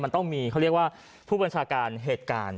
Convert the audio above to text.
มันต้องมีเขาเรียกว่าผู้บัญชาการเหตุการณ์